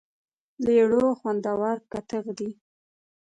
لیړو خوندور کتغ دی.